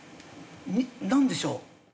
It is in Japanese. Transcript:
なんでしょう？